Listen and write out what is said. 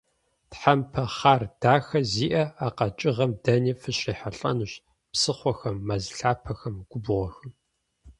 Тхьэмпэ хъар дахэ зиӏэ а къэкӏыгъэм дэни фыщрихьэлӏэнущ: псыхъуэхэм, мэз лъапэхэм, губгъуэхэм.